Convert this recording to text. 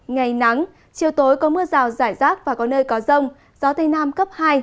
ngày nắng chiều tối có mưa rào rải rác và có nơi có rông gió tây nam cấp hai